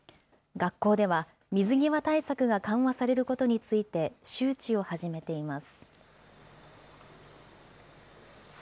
学校では、水際対策が緩和されることについて、周知を始めています。